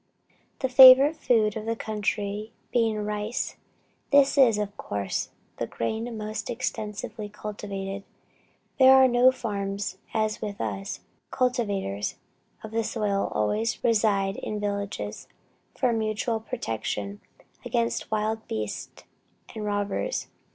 The favorite food of the country being rice, this is, of course, the grain most extensively cultivated. There are no farms as with us; cultivators of the soil always reside in villages, for mutual protection against wild beasts and robbers.